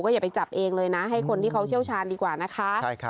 อย่าไปจับเองเลยนะให้คนที่เขาเชี่ยวชาญดีกว่านะคะ